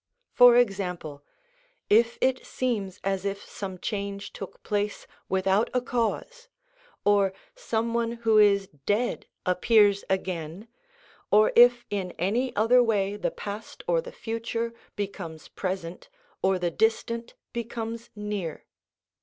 For example, if it seems as if some change took place without a cause, or some one who is dead appears again, or if in any other way the past or the future becomes present or the distant becomes near.